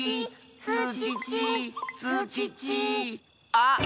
あっ！